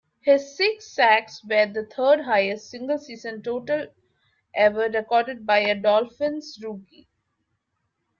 His six sacks were the third-highest single-season total ever recorded by a Dolphins rookie.